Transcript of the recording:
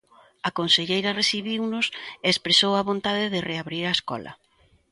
A conselleira recibiunos e expresou a vontade de reabrir a escola.